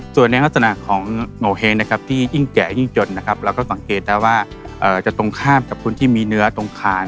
ส่วนในลักษณะของโงเห้งนะครับที่ยิ่งแก่ยิ่งจนนะครับเราก็สังเกตได้ว่าจะตรงข้ามกับคนที่มีเนื้อตรงคาน